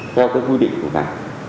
do cái quy định của bà